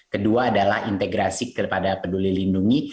kedua adalah integrasi kepada peduli lindungi